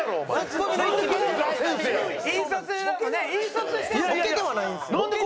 ボケではないんですよ。